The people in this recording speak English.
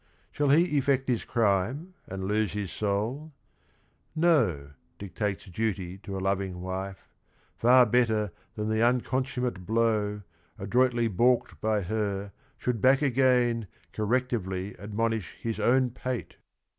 Shall he effect his crime and lose his soul? No, dictates duty to a loving wife; Far better that the unconsummate blow; Adroitly baulked by her, should back again, Correctively admonish his own pate